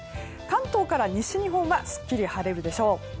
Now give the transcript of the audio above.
関東から西日本はすっきり晴れるでしょう。